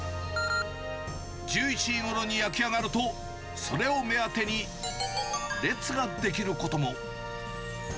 １１時ごろに焼き上がると、それを目当てに列が出来ることも。